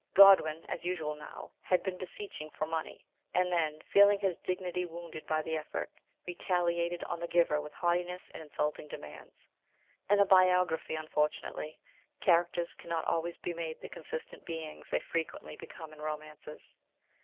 Godwin, as usual now, had been beseeching for money, and then, feeling his dignity wounded by the effort, retaliated on the giver with haughtiness and insulting demands. In a biography, unfortunately, characters cannot always be made the consistent beings they frequently become in romances.